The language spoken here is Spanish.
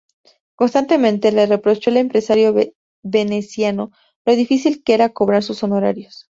Constantemente le reprochó al empresario veneciano lo difícil que era cobrar sus honorarios.